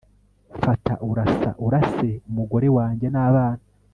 fata urasa urase umugore wanjye nabana